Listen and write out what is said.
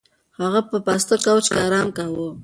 هغه په پاسته کوچ کې ارام کاوه.